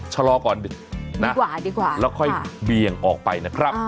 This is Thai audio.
ชะลอก่อนดีกว่าแล้วค่อยเบี่ยงออกไปนะครับ